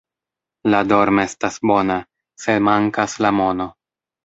La dorm' estas bona, se mankas la mono.